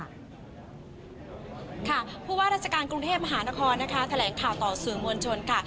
ผู้ว่าราชการกรุงเทพมหานครนะคะแถลงข่าวต่อสื่อมวลชนค่ะ